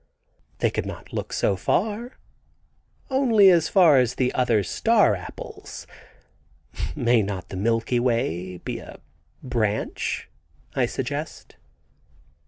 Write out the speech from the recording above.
"They could not look so far. Only as far as the other star apples. May not the Milky Way be a branch?" I suggest.